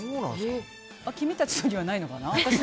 君たちにはないのかな？